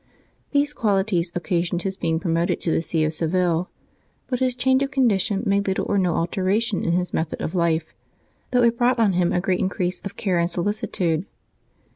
These qualities occasioned his being pro moted to the see of Seville; but his change of condition made little or no alteration in his method of life, though it brought on him a great increase of care and solicitude.